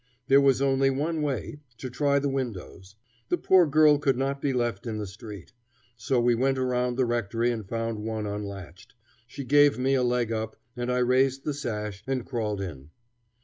There was only one way: to try the windows. The poor girl could not be left in the street. So we went around the rectory and found one unlatched. She gave me a leg up, and I raised the sash and crawled in.